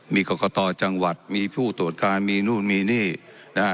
มีกรกตจังหวัดมีผู้ตรวจการมีนู่นมีนี่นะฮะ